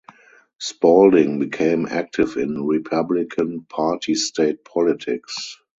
Spaulding became active in Republican Party state politics.